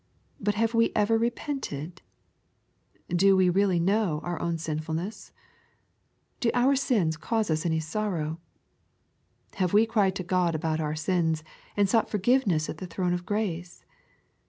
But have we ever repented ? Do we really know our own sinfulness ? Do our sins cause us any sorrow ? Have we cried to God about our sins, and sought forgiveness at the throne of grace